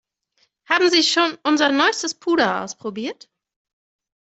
Haben Sie schon unser neuestes Puder ausprobiert?